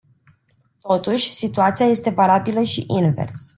Totuși, situația este valabilă și invers.